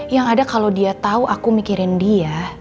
yang ada kalo dia tau aku mikirin dia